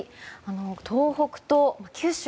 東北と九州